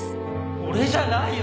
俺じゃないよ！